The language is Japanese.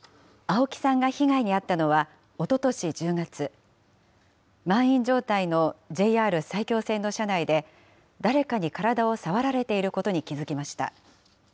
青木さんが被害に遭ったのは、おととし１０月、満員状態のＪＲ埼京線の車内で、誰かに体を触られていることに気付きました。